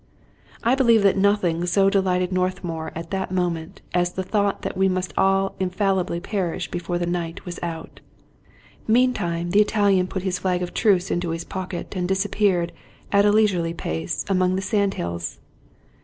I believe that nothing so delighted Northmour at that moment as the thought that we must all infallibly perish before the night was out. Meantime, the Italian put his flag of truce into his pocket, and disappeared, at a leisurely pace, among the sand hills.